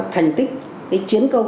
thành tích cái chiến công